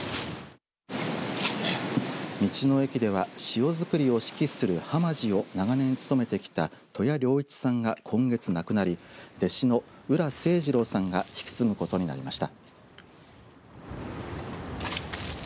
道の駅では塩作りを指揮する浜士を長年務めてきた登谷良一さんが今月亡くなり弟子の浦清次郎さんが引き継ぐことになりました。